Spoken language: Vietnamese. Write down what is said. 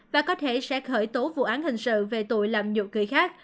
và có thể sẽ khởi tố vụ án hình sự về tội làm nhục người khác